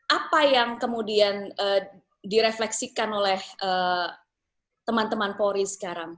apa yang kemudian direfleksikan oleh teman teman polri sekarang